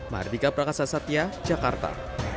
mardika prakasa satya jakarta